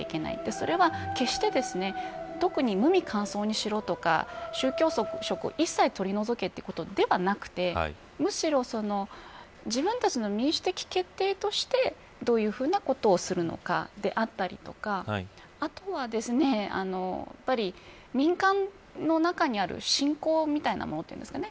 それは決して特に無味乾燥にしろとか宗教色を一切取り除けということではなくてむしろ自分たちの民主的決定としてどういうふうなことをするのかであったりとかあとは、民間の中にある信仰みたいなものと言うんですかね。